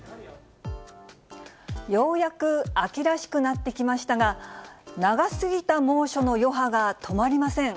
ようやく秋らしくなってきましたが、長すぎた猛暑の余波が止まりません。